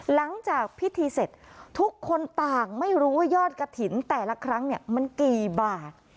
หลังจากพิธีเสร็จทุกคนต่างไม่รู้ว่ายอดกระถิ่นแต่ละครั้งมันกี่บาท